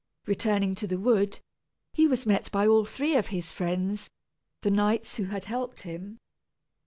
Returning to the wood, he was met by all three of his friends, the knights who had helped him.